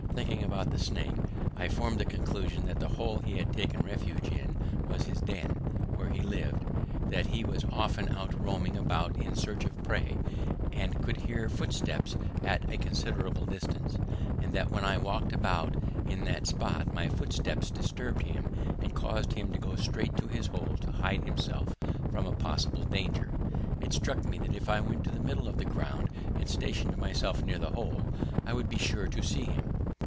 Thinking about the snake I formed the conclusion that the hole he had taken refuge in was his den, where he lived, that he was often out roaming about in search of prey, and could hear footsteps at a considerable distance, and that when I walked about at that spot my footsteps disturbed him and caused him to go straight to his hole to hide himself from a possible danger. It struck me that if I went to the middle of the ground and stationed myself near the hole, I would be sure to see him.